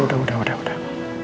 udah udah udah